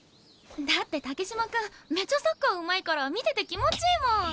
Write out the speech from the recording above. だって竹島君めちゃサッカーうまいから見てて気持ちいいもん。